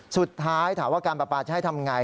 สุดท้ายถามว่าการประปาจะให้ทำไง